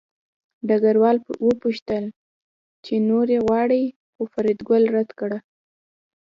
ډګروال وپوښتل چې نورې غواړې خو فریدګل رد کړه